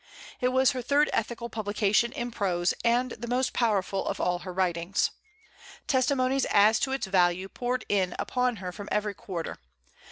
It was her third ethical publication in prose, and the most powerful of all her writings. Testimonies as to its value poured in upon her from every quarter.